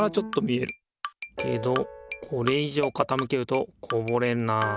けどこれいじょうかたむけるとこぼれるな。